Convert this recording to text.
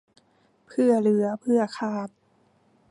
เผื่อเหลือเผื่อขาด